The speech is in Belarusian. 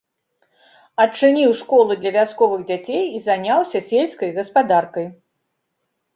Адчыніў школу для вясковых дзяцей і заняўся сельскай гаспадаркай.